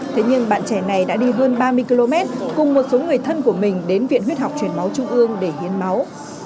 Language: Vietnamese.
thế nhưng bạn trẻ này đã đi hơn ba mươi km cùng một số người thân của mình đến viện huyết học truyền máu trung ương để hiến máu